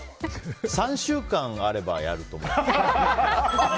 ３週間あればやると思う。